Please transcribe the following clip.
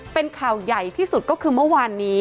เป็นข่าวใหญ่ที่สุดก็คือเมื่อวานนี้